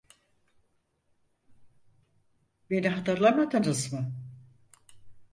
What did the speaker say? Beni hatırlamadınız mı?